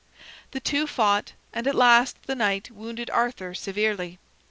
The two fought, and at last the knight wounded Arthur severely.